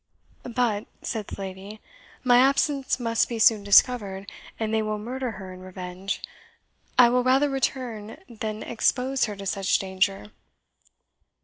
"But," said the lady, "My absence must be soon discovered, and they will murder her in revenge. I will rather return than expose her to such danger."